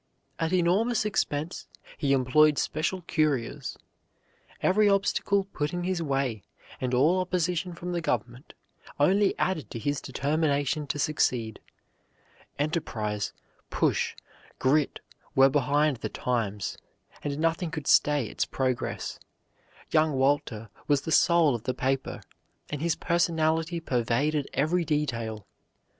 At enormous expense he employed special couriers. Every obstacle put in his way, and all opposition from the government, only added to his determination to succeed. Enterprise, push, grit were behind the "Times," and nothing could stay its progress. Young Walter was the soul of the paper, and his personality pervaded every detail.